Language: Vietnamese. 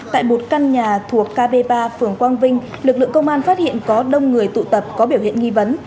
tại một căn nhà thuộc kb ba phường quang vinh lực lượng công an phát hiện có đông người tụ tập có biểu hiện nghi vấn